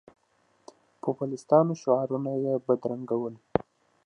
پوپلیستانو شعارونه یې بدرګه کول.